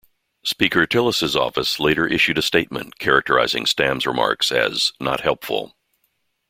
Speaker Tillis' office later issued a statement characterizing Stam's remarks as "not helpful".